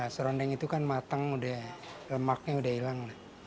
serundeng itu kan matang lemaknya sudah hilang